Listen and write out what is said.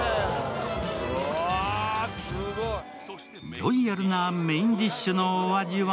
ロイヤルなメインディッシュのお味は？